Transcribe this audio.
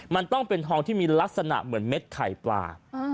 มันต้องเป็นทองที่มีลักษณะเหมือนเม็ดไข่ปลา